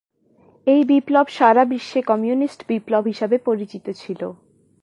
এই বিপ্লব সারা বিশ্বে কমিউনিস্ট বিপ্লব হিসেবে পরিচিত ছিল।